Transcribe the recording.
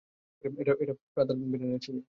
এটা ফাদার ব্র্যানেনের ছবি।